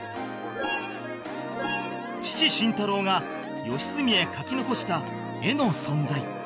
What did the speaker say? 父慎太郎が良純へ描き残した絵の存在